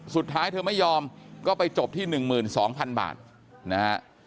สุดท้ายเธอไม่ยอมก็ไปจบที่๑๒๐๐๐บาทนะฮะ